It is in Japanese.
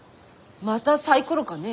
またサイコロかね？